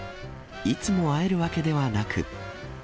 いつも会えるわけではなく。